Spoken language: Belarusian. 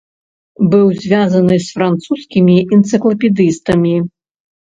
Быў звязаны з французскімі энцыклапедыстамі.